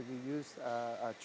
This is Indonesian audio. ke rumah anda